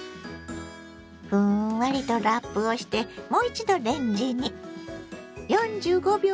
ふんわりとラップをしてもう一度レンジに。